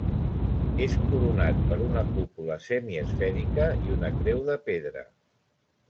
És coronat per una cúpula semiesfèrica i una creu de pedra.